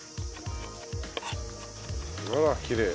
あらきれい。